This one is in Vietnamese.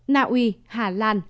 naui hà lan new zealand